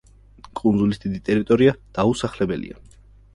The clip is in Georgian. კუნძულის დიდი ტერიტორია დაუსახლებელია.